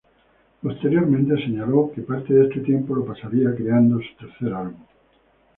Posteriormente, señaló que parte de este tiempo lo pasaría creando su tercer álbum.